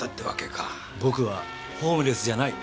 僕はホームレスじゃない。